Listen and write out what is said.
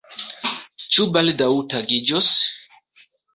Ĉu baldaŭ tagiĝos?